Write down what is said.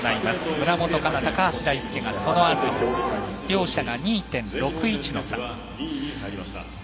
村元哉中、高橋大輔がそのあと。両者が２．６１の差。